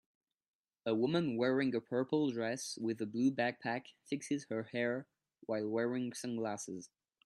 a woman wearing a purple dress with a blue backpack fixes her hair while wearing sunglasses